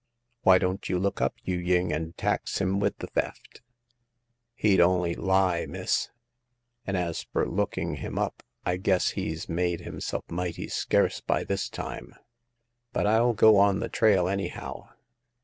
" Why don't you look up Yu ying and tax him with the theft ?"" He'd on'y lie, miss ; and as fur looking him up, I guess he's made himself mighty scarce by this time. But FU go on the trail, anyhow.